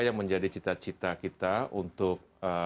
yang menjadi cita cita kita untuk